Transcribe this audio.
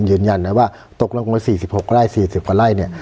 ยืนยันนะว่าตกลงกับสี่สิบหกไร่สี่สิบกว่าไร่เนี่ย